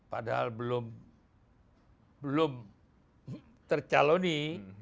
padahal belum tercaloni